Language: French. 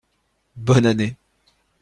Bonne année.